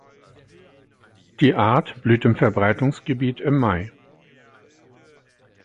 Die Art blüht im Verbreitungsgebiet im Mai.